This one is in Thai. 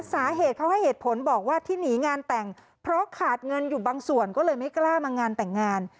สาเหตุเขาให้เหตุผลบอกว่าที่หนีงานแต่งเพราะขาดเงินอยู่บางส่วนก็เลยไม่กล้ามางานแต่งงาน